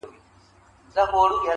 داسې په نه خبره نه خبره هيڅ مه کوه_